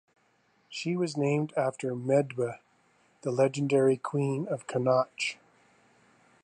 She was named after Medb, the legendary queen of Connacht.